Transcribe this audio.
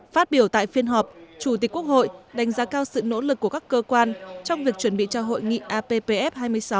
phát biểu tại phiên họp chủ tịch quốc hội đánh giá cao sự nỗ lực của các cơ quan trong việc chuẩn bị cho hội nghị appf hai mươi sáu